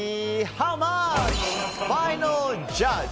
ハウマッチファイナルジャッジ！